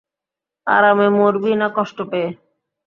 আরামে মরবি না কষ্ট পেয়ে?